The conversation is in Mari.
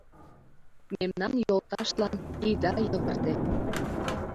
Мемнан йолташлан ида йывырте